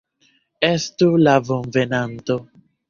Estu la bonvenanto!